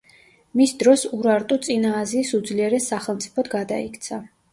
მის დროს ურარტუ წინა აზიის უძლიერეს სახელმწიფოდ გადაიქცა.